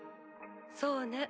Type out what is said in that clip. そうね。